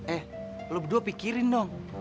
eh lo berdua pikirin dong